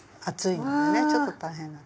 厚いのでねちょっと大変。